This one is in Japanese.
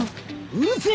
うるせぇ！